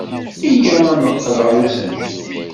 Iyya ad neqqel ɣer usensu.